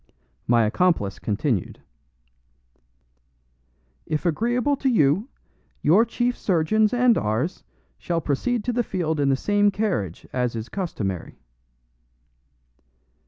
My accomplice continued: "If agreeable to you, your chief surgeons and ours shall proceed to the field in the same carriage as is customary."